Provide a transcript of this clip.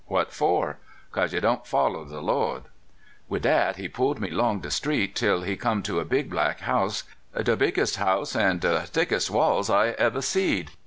What for?" " 'Cause you didn't follow de Lord." Wid dat, he pulled me 'long de street till he come to a big black house, de biggest house an' de thickest walls I ever seed.